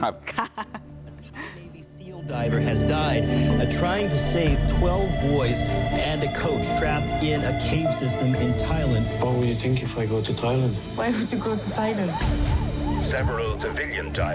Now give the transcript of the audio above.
มีเทพฝ่าฐานบุกร่องจะบอกให้ช่วยให้ท่านการสู้จากฐานที่ใช้กอะไร